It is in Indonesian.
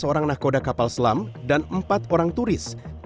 orang nakoda kapal selam dan empat orang turis